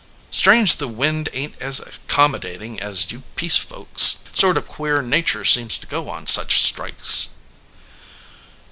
"Strange the wind ain t as accommodating as you peace folks. Sort of queer nature seems to go on such strikes."